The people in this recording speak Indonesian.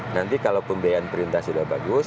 nanti kalau pembiayaan perintah sudah bagus